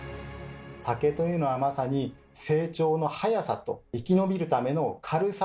竹というのはまさに「成長のはやさ」と生き延びるための「軽さ」と「強さ」